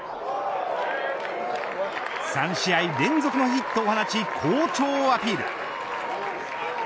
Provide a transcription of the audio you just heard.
３試合連続のヒットを放ち好調をアピール。